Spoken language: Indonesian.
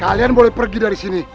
kalian boleh pergi dari sini